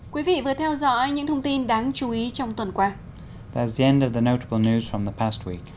quý vị vừa theo dõi những thông tin đáng chú ý trong tuần qua